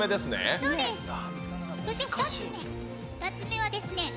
そして、２つ目はですね